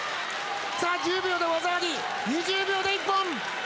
１０秒で技あり２０秒で一本！